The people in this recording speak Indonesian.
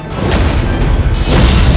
dan itu adalah